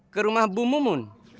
ke rumah bu mumun